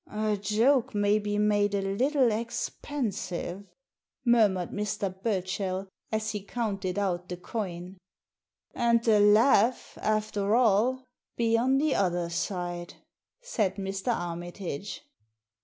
"A joke may be made a little expensive," mur mured Mr. Burchell, as he counted out the coin. "And the laugh, after all, be on the other side," said Mr. Armitage.